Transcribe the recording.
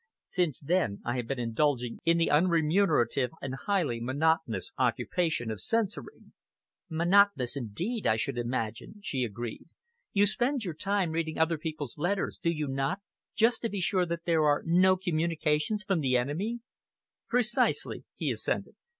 Since then I have been indulging in the unremunerative and highly monotonous occupation of censoring." "Monotonous indeed, I should imagine," she agreed. "You spend your time reading other people's letters, do you not, just to be sure that there are no communications from the enemy?" "Precisely," he assented.